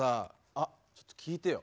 あちょっと聞いてよ。